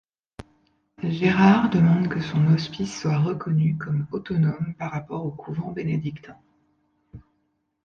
Gérard demande que son hospice soit reconnu comme autonome par rapport aux couvents bénédictins.